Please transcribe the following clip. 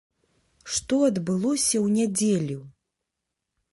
Што адбылося ў нядзелю?